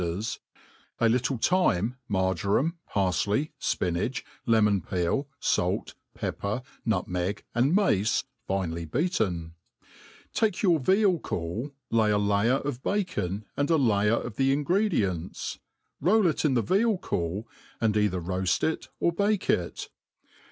V 4 ters, a little thyme, marjoram, parfley, fpinacb, lemon* peeU fait, pepper, nutmeg and mace, finely beaten ; take your veal caul, lay a layer of bacon and a l^r of the ingredients, roll it in the veal caul, and either roaft it or bake it.